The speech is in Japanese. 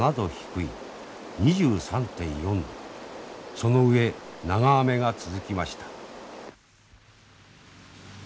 その上長雨が続きました。